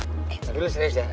eh tapi lo serius ya